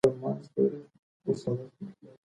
د مراد پام ځان ته راواووخته.